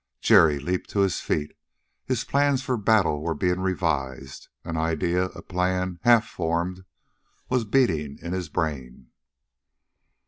Jerry leaped to his feet. His plans for battle were being revised. An idea a plan, half formed was beating in his brain.